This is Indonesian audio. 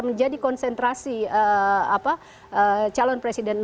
menjadi konsentrasi calon presiden